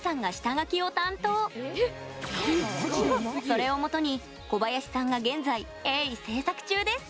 それをもとに小林さんが現在鋭意制作中です。